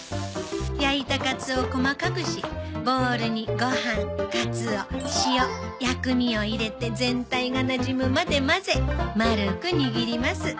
焼いたかつおを細かくしボウルにご飯かつお塩薬味を入れて全体が馴染むまで混ぜ丸く握ります。